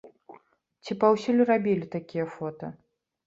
Ці паўсюль рабілі такія фота?